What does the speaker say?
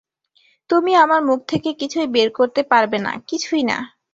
তুমি আমার মুখ থেকে কিছুই বের করতে পারবে না, কিছুই না!